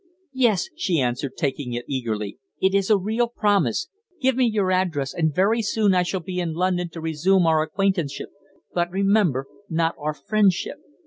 "Yes," she answered, taking it eagerly. "It is a real promise. Give me your address, and very soon I shall be in London to resume our acquaintanceship but, remember, not our friendship.